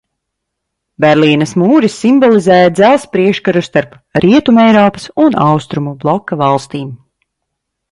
Berlīnes mūris simbolizēja Dzelzs priekškaru starp Rietumeiropas un Austrumu bloka valstīm.